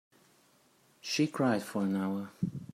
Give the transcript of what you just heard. She cried for an hour.